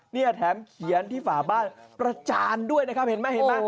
เนี่ยแถมเขียนที่ฝาบ้านประจานด้วยนะครับเห็นไหมเห็นไหม